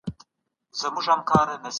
مطالعه په انساني چلند کې نرمښت راولي.